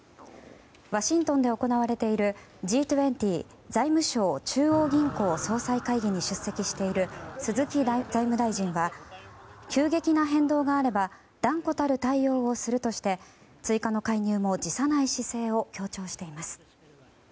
ワシントンで行われているＧ２０・財務相・中央銀行総裁会議に出席している鈴木財務大臣は急激な変動があれば断固たる対応をするとして追加の介入も辞さない姿勢を強調しています。